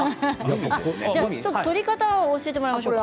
取り方を教えてもらいましょう。